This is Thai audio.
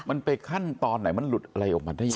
มันไปขั้นตอนไหนมันหลุดอะไรออกมาได้ยังไง